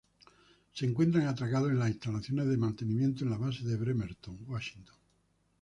Se encuentra atracado en las instalaciones de mantenimiento en la base de Bremerton, Washington.